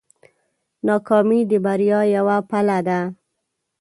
ناکامي د بریا یوه پله ده.